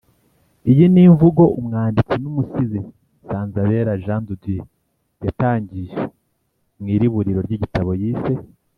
Iyi ni imvugo umwanditsi n’Umusizi Nsanzabera Jean de Dieu yatangije mu iriburiro ry’igitabo yise